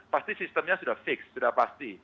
pasti sistemnya sudah fix sudah pasti